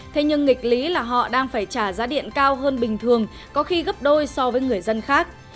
thế nhưng nghịch lý là họ đang phải trả giá điện cao hơn bình thường có khi gấp đôi so với người dân khác